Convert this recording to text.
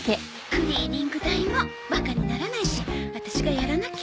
クリーニング代もバカにならないしワタシがやらなきゃ。